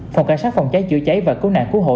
phòng cảnh sát phòng cháy chữa cháy và cứu nạn cứu hộ